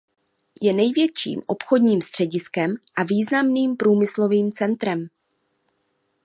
Je největším obchodním střediskem a významným průmyslovým centrem.